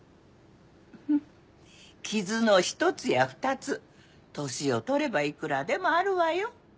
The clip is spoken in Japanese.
傷の１つや２つ年を取ればいくらでもあるわよ。